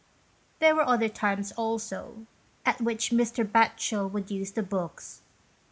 There were other times also, at which Mr, Batchel would use the books.